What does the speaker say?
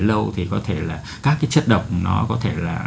lâu thì có thể là các cái chất độc nó có thể là